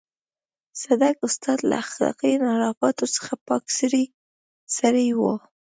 صدک استاد له اخلاقي انحرافاتو څخه پاک سړی و.